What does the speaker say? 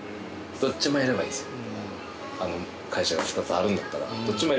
どっちもやればいいですよ